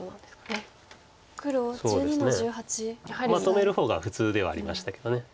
止める方が普通ではありましたけど。